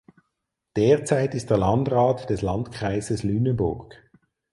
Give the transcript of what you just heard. Derzeit ist er Landrat des Landkreises Lüneburg.